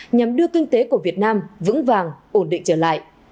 nhằm đưa kinh tế của việt nam vững vàng ổn định trở lại